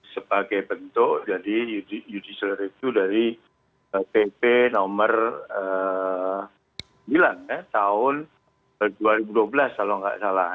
sebagai bentuk jadi judicial review dari pp nomor sembilan tahun dua ribu dua belas kalau nggak salah